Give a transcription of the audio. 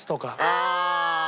ああ！